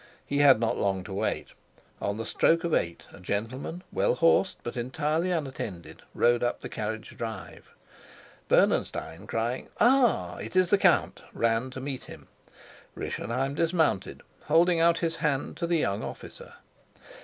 He had not long to wait. On the stroke of eight a gentleman, well horsed but entirely unattended, rode up the carriage drive. Bernenstein, crying "Ah, it is the count!" ran to meet him. Rischenheim dismounted, holding out his hand to the young officer.